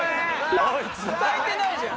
歌えてないじゃん！